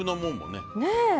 ねえ。